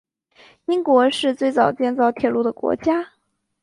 英国是最早建造铁路的国家。